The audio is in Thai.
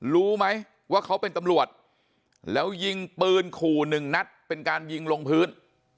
รู้ไหมว่าเขาเป็นตำรวจแล้วยิงปืนขู่หนึ่งนัดเป็นการยิงลงพื้น